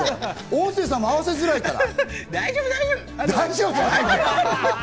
音声さんも合わせづらいから。